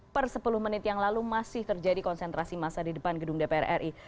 per sepuluh menit yang lalu masih terjadi konsentrasi massa di depan gedung dpr ri